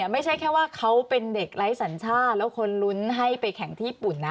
ไม่ใช่แค่ว่าเขาเป็นเด็กไร้สัญชาติแล้วคนลุ้นให้ไปแข่งที่ญี่ปุ่นนะ